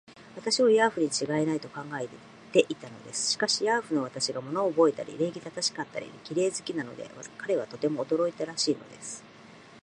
私をヤーフにちがいない、と考えていたのです。しかし、ヤーフの私が物をおぼえたり、礼儀正しかったり、綺麗好きなので、彼はとても驚いたらしいのです。